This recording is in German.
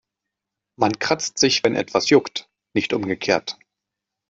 Man kratzt sich, wenn etwas juckt, nicht umgekehrt.